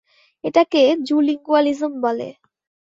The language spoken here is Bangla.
এটাকে জুলিঙ্গুয়ালিজম বলে!